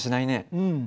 うん。